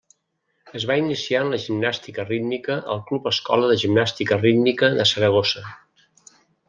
Es va iniciar en la gimnàstica rítmica al Club Escola de Gimnàstica Rítmica de Saragossa.